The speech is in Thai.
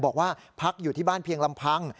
บอกว่าพักอยู่ที่บ้านเพียงลำพัง